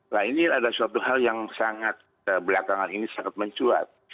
nah ini adalah suatu hal yang sangat belakangan ini sangat mencuat